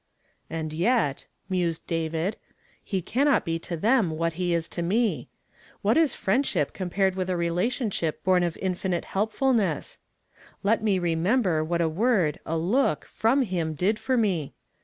"And yet," mused David, "he cannot be to them Avhat he is to me. What is friendship com pared with a relationship born of infinite heljiful ness ? Let me remember what a word, a look, from him did for me.